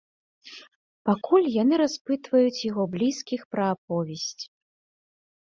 Пакуль яны распытваюць яго блізкіх пра аповесць.